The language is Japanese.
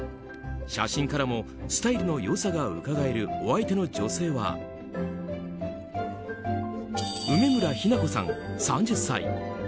写真からもスタイルの良さがうかがえる、お相手の女性は梅村妃奈子さん、３０歳。